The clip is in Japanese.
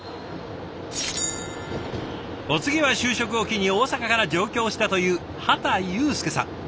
お次は就職を機に大阪から上京したという畑祐輔さん。